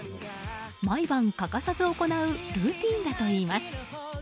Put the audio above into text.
毎晩欠かさず行うルーティンだといいます。